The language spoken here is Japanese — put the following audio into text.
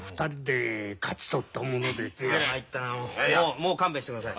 もう勘弁してください。